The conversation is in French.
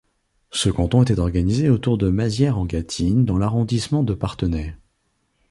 Ce canton était organisé autour de Mazières-en-Gâtine dans l'arrondissement de Parthenay.